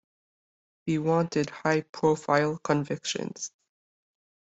He wanted high-profile convictions.